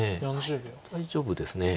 大丈夫です。